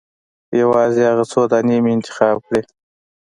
یوازې هغه څو دانې مې انتخاب کړې.